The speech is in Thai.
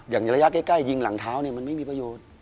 อย่างระยะใกล้ยิงหลังเท้าเนี่ยมันไม่มีประโยชน์